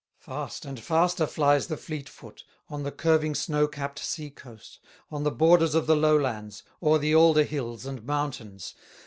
Fast and faster flies the fleet foot, On the curving snow capped sea coast, On the borders of the lowlands, O'er the alder hills and mountains.